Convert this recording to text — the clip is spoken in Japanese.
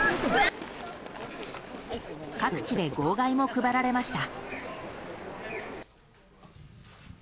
各地で号外も配られました。